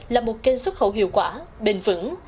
là một kênh xuất khẩu hiệu quả bền vững